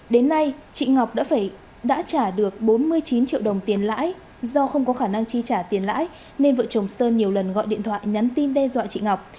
đến nay chị ngọc đã trả được bốn mươi chín triệu đồng tiền lãi do không có khả năng chi trả tiền lãi nên vợ chồng sơn nhiều lần gọi điện thoại nhắn tin đe dọa chị ngọc